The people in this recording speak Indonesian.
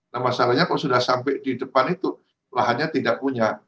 nah masalahnya kalau sudah sampai di depan itu lahannya tidak punya